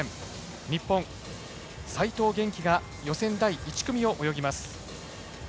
日本、齋藤元希が予選第１組を泳ぎます。